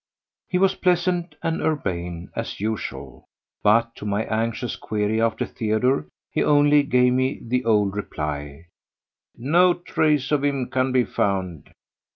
He was pleasant and urbane as usual, but to my anxious query after Theodore he only gave me the old reply: "No trace of him can be found."